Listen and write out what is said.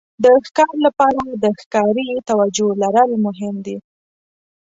د ښکار لپاره د ښکاري توجو لرل مهم دي.